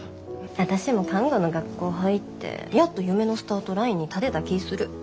私も看護の学校入ってやっと夢のスタートラインに立てた気ぃする。